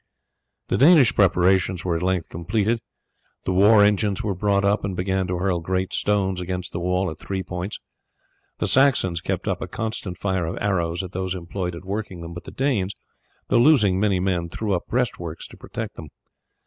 The Danish preparations were at length completed, the war engines were brought up and began to hurl great stones against the wall at three points. The Saxons kept up a constant fire of arrows at those employed at working them, but the Danes, though losing many men, threw up breastworks to protect them.